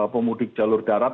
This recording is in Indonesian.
pemudik jalur darat